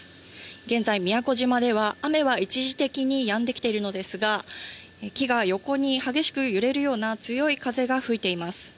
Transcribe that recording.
現在、宮古島では雨は一時的にやんできているのですが、木が横に激しく揺れるような強い風が吹いています。